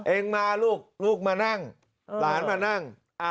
เองมาลูกลูกมานั่งหลานมานั่ง